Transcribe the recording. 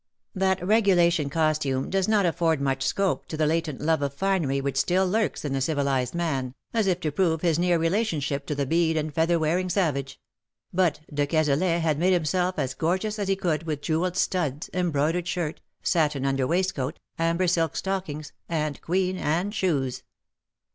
That regulation costume does not afford much scope to the latent love of finery which still lurks 113 in the civilized man, as if to prove his near rela tionship to the bead and feather wearing savage — but de Cazalet had made himself as gorgeous as he could with jewelled studs, embroidered shirt, satin under waistcoat, amber silk stockings, and Queen Ann shoes.